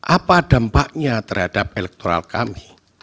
apa dampaknya terhadap elektoral kami